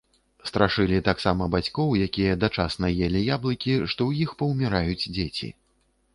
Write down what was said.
Страшылі таксама бацькоў, якія дачасна елі яблыкі, што ў іх паўміраюць дзеці.